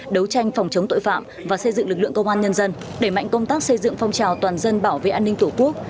đấu tranh phòng chống tội phạm và xây dựng lực lượng công an nhân dân đẩy mạnh công tác xây dựng phong trào toàn dân bảo vệ an ninh tổ quốc